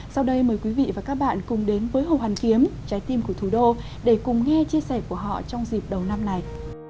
sau đây mời quý vị và các bạn cùng đến với hồ hoàn kiếm trái tim của thủ đô để cùng nghe chia sẻ của họ trong dịp đầu năm này